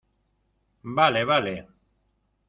vale. vale .